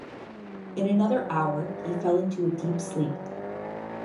In another hour he fell into a deep sleep.